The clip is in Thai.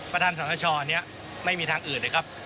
ประธานสชเนี่ยไม่มีทางอื่น